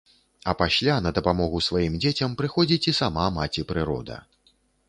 А пасля на дапамогу сваім дзецям прыходзіць і сама маці-прырода.